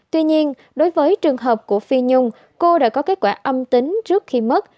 tuy nhiên đối với trường hợp của phi nhung cô đã có kết quả âm tính trước khi mất